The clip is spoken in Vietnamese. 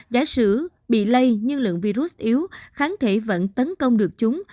giả sử bị lây nhưng lượng virus yếu kháng thể vẫn tấn công được chúng